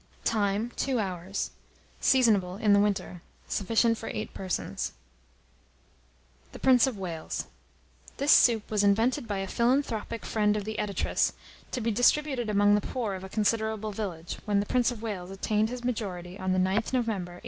Time. 2 hours. Seasonable in the winter. Sufficient for 8 persons. THE PRINCE Of WALES. This soup was invented by a philanthropic friend of the Editress, to be distributed among the poor of a considerable village, when the Prince of Wales attained his majority, on the 9th November, 1859.